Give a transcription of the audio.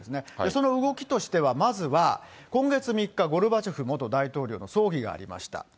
その動きとしては、まずは、今月３日、ゴルバチョフ元大統領の葬儀がありました。